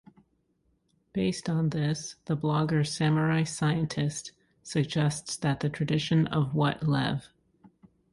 Based on this, the blogger "Samurai Scientist" suggests that the tradition of what Lev.